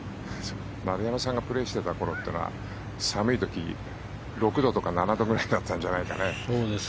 丸山さんがプレーしてたころは寒い時、６度とか７度くらいだったんじゃないかね。